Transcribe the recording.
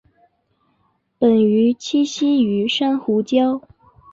本鱼栖息于珊瑚礁。